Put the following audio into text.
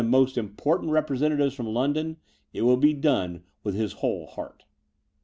more important representatives from London, it would be done with his whole heart.